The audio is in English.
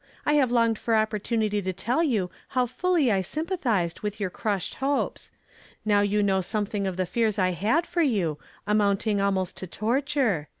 I have longed for opportunity to teU you hoWui,, I sympathized Z. your^eru.,!:" hope Now you know something of the fears I had for you, amounting almost to torture.